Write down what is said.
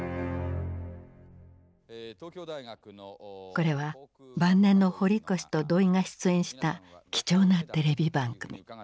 これは晩年の堀越と土井が出演した貴重なテレビ番組。